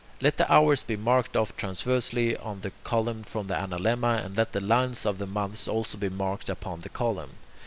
Let the hours be marked off transversely on the column from the analemma, and let the lines of the months also be marked upon the column.